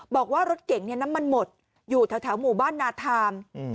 บอกว่ารถเก๋งเนี้ยน้ำมันหมดอยู่แถวแถวหมู่บ้านนาทามอืม